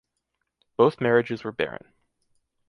Both marriages were barren.